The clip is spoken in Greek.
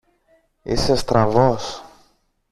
Είσαι στραβός!